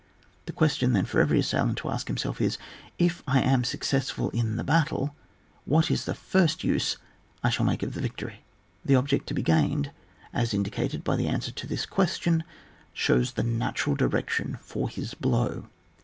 The question, then, for every assailant to ask himself is, If I am successful in the battle, what is the first use I shall make of the victory ? The object to be gained, as indicated by the answer to this question, shows the natural direction for his blow.